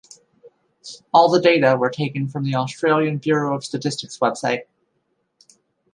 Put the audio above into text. All the data were taken from the Australian Bureau of Statistics website.